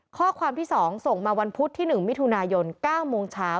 ข้อความที่๒ส่งมาวันพุธที่๑มิถุนายน๙โมงเช้า